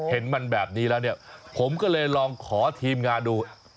เห็นมันแบบนี้แล้วเนี่ยผมก็เลยลองขอทีมงานดู